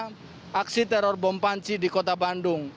berkaitan dengan dampak adanya aksi teror bom panci di kota bandung